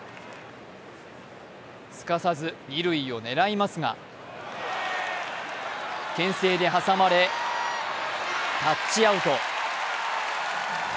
すかさず二塁を狙いますがけん制で挟まれタッチアウト。